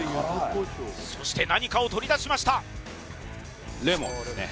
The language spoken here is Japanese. そして何かを取り出しましたレモンですね